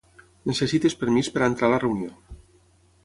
Necessites permís per entrar a la reunió.